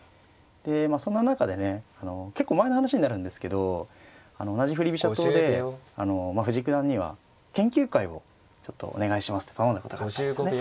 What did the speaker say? そんな中でね結構前の話になるんですけど同じ振り飛車党で藤井九段には研究会をちょっとお願いしますと頼んだことがあったんですよね。